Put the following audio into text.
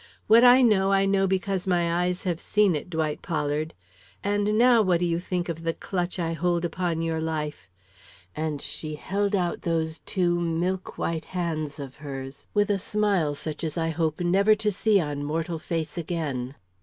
What I know I know because my eyes have seen it, Dwight Pollard! And now, what do you think of the clutch I hold upon your life?" and she held out those two milk white hands of hers with a smile such as I hope never to see on mortal face again.